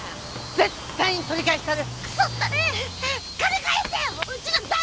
絶対取り返したる！